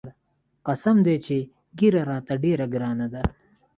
قسم دى چې ږيره راته ډېره ګرانه ده.